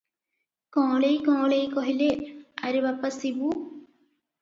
କଅଁଳେଇ କଅଁଳେଇ କହିଲେ, "ଆରେ ବାପା ଶିବୁ!